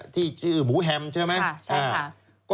ที่ชื่อหมูแฮมใช่ไหม